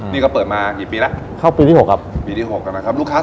นี่ก็เปิดมากี่ปีแล้ว